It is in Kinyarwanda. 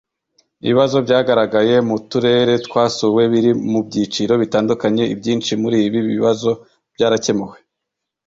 ibibazo byagaragaye mu turere twasuwe biri mu byiciro bitandukanye ibyinshi muri ibi bibazo byarakemuwe